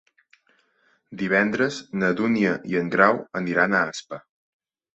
Divendres na Dúnia i en Grau aniran a Aspa.